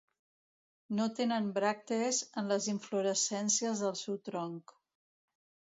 No tenen bràctees en les inflorescències del seu tronc.